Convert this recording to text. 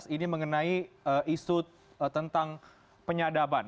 ini mengenai isu tentang penyadaban